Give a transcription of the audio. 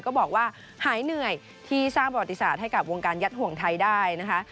ก็บอกว่าหายเหนื่อยที่สร้างประวัติศาสตร์ให้กับวงการยัดห่วงไทยได้นะคะ